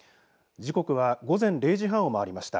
時刻は午前０時半を回りました。